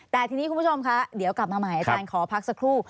แต่ทีนี้คุณผู้ชมคะเดี๋ยวกลับมาใหม่อาจารย์ขอพักสักครู่